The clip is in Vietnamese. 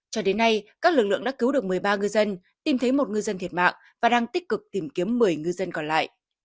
cho đến nay các lực lượng đã cứu được một mươi ba ngư dân tìm thấy một ngư dân thiệt mạng và đang tích cực tìm kiếm một mươi ngư dân còn lại